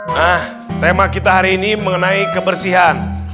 nah tema kita hari ini mengenai kebersihan